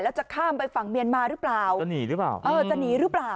แล้วจะข้ามไปฝั่งเมียนมาหรือเปล่าจะหนีหรือเปล่าเออจะหนีหรือเปล่า